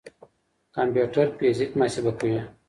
کمپيوټر فزيک محاسبه کوي.